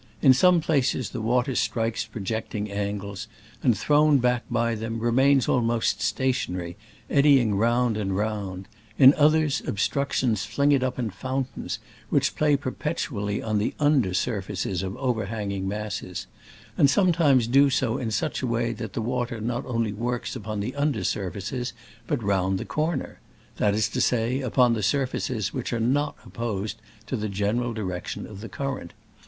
In some places the water strikes projecting angles, and, thrown back by them, remains almost stationary, eddy ing round and round : in others, ob structions fling it up in fountains, which play perpetually on the under surfaces of overhanging masses ; and sometimes do so in such a way that the water not only works upon the under surfaces, but round the corner; that is to say, upon the surfaces which are not opposed to the general direction of the current.